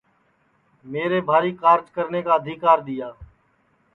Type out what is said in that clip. میرے بھاری کارج کرنے کا آدیکر دٚیا